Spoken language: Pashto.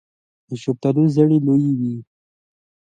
د شفتالو زړې لویې وي.